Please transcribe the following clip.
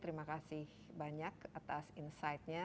terima kasih banyak atas insight nya